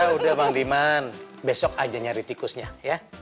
ya udah bang diman besok aja nyari tikusnya ya